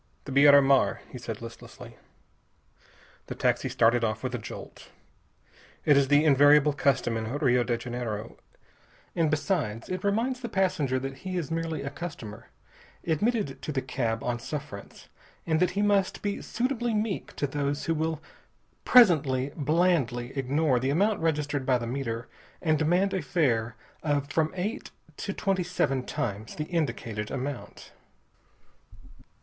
"The Beira Mar," he said listlessly. The taxi started off with a jolt. It is the invariable custom in Rio de Janeiro. And besides, it reminds the passenger that he is merely a customer, admitted to the cab on suffrance, and that he must be suitably meek to those who will presently blandly ignore the amount registered by the meter and demand a fare of from eight to twenty seven times the indicated amount.